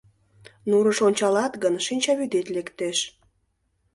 Нурыш ончалат гын, шинчавӱдет лектеш.